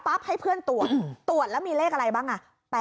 ให้เพื่อนตรวจตรวจแล้วมีเลขอะไรบ้าง